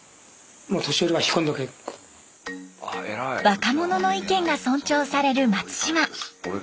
若者の意見が尊重される松島。